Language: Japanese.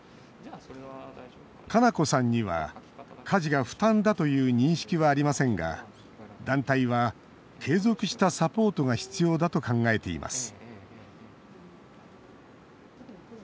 かなこさんには家事が負担だという認識はありませんが団体は継続したサポートが必要だと考えています